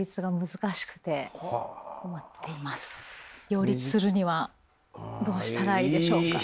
両立するにはどうしたらいいでしょうか？